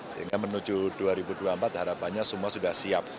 sehingga menuju dua ribu dua puluh empat harapannya semua sudah siap